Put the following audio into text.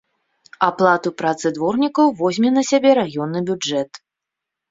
Аплату працы дворнікаў возьме на сябе раённы бюджэт.